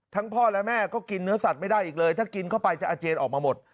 พ่อและแม่ก็กินเนื้อสัตว์ไม่ได้อีกเลยถ้ากินเข้าไปจะอาเจียนออกมาหมด